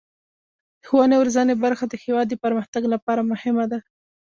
د ښوونې او روزنې برخه د هیواد د پرمختګ لپاره مهمه ده.